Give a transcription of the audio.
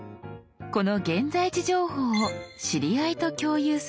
この現在地情報を知り合いと共有するボタンがこれ。